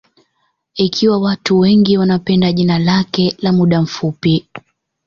Ikiwa watu wengi wanapenda jina lake la muda mfupi